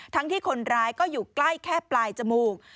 ที่คนร้ายก็อยู่ใกล้แค่ปลายจมูก